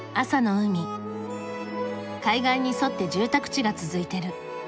海岸に沿って住宅地が続いてる。